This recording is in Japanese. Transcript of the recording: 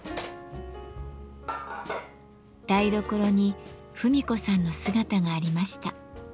台所に芙美子さんの姿がありました。